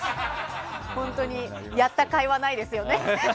本当に、やったかいはないですよね。